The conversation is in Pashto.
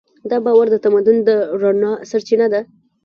دا باور د تمدن د رڼا سرچینه ده.